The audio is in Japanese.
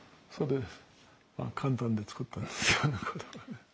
簡単で作ったんですよ。